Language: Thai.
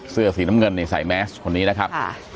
เสื้อสีน้ำเงินนี่ใส่แมสคนนี้นะครับ